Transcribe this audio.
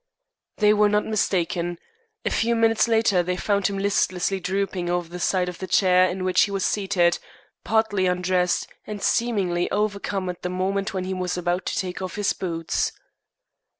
They were not mistaken. A few minutes later they found him listlessly drooping over the side of the chair in which he was seated, partly undressed, and seemingly overcome at the moment when he was about to take off his boots.